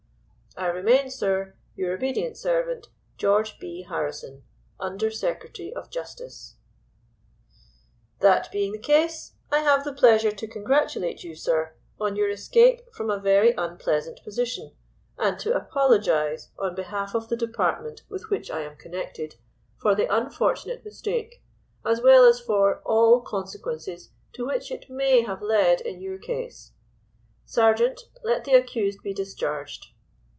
"'I remain, sir, "'Your obedient servant, "'GEORGE B. HARRISON, "'Under Secretary of Justice.' "That being the case, I have the pleasure to congratulate you, sir, on your escape from a very unpleasant position, and to apologise on behalf of the Department with which I am connected, for the unfortunate mistake, as well as for all consequences to which it may have led in your case. Sergeant, let the accused be discharged."